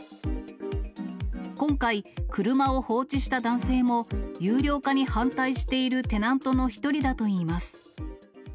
今回、車を放置した男性も有料化に反対しているテナントの一人だといいます。